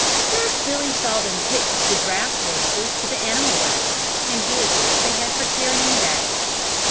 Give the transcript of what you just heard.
First Billy saw them hitch the draft horses to the animal wagons and vehicles they had for carrying baggage.